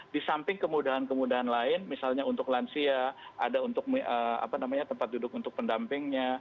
di samping kemudahan kemudahan lain misalnya untuk lansia ada untuk tempat duduk untuk pendampingnya